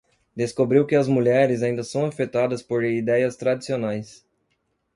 Descobriu que as mulheres ainda são afetadas por idéias tradicionais